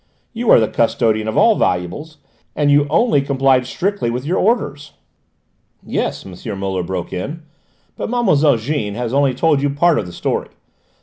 "You are the custodian of all valuables, and you only complied strictly with your orders." "Yes," M. Muller broke in, "but Mlle. Jeanne has only told you part of the story.